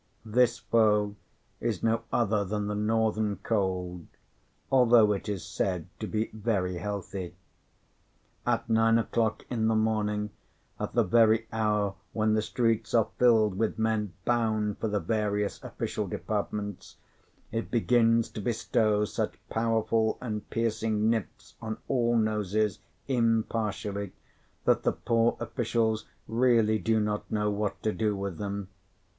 This foe is no other than the Northern cold, although it is said to be very healthy. At nine o'clock in the morning, at the very hour when the streets are filled with men bound for the various official departments, it begins to bestow such powerful and piercing nips on all noses impartially that the poor officials really do not know what to do with them.